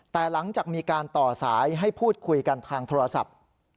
แต่หลังจากมีการต่อสายให้พูดคุยกันทางโทรศัพท์